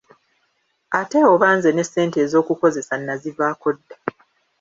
Ate oba nze ne ssente ez’okukozesa nazivaako dda!